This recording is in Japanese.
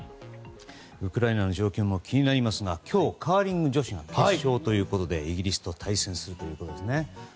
ウクライナの状況も気になりますが今日、カーリング女子の決勝ということでイギリスと対戦するということですね。